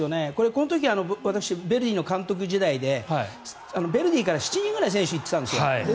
この時私、ヴェルディの監督時代でヴェルディから７人ぐらい選手が行ってたんですよ。